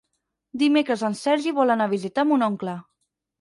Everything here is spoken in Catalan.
Dimecres en Sergi vol anar a visitar mon oncle.